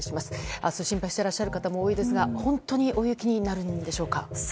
明日心配していらっしゃる方も多いかと思いますが本当に大雪になるんでしょうか。